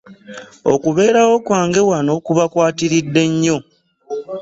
Okubeerawo kwange wano kubakwatiridde nnyo.